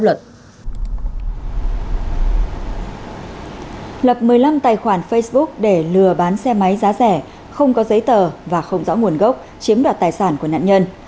lập một mươi năm tài khoản facebook để lừa bán xe máy giá rẻ không có giấy tờ và không rõ nguồn gốc chiếm đoạt tài sản của nạn nhân